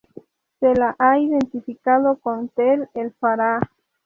Se la ha identificado con Tell el-Farah.